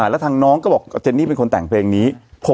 แล้วทางน้องก็บอกกับเจนนี่เป็นคนแต่งเพลงนี้